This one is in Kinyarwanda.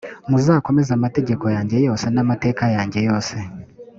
muzakomeze amategeko yanjye yose n amateka yanjye yose